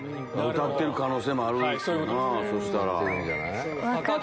歌ってる可能性もあるなぁそしたら。